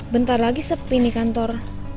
bentar lagi sepi di kantor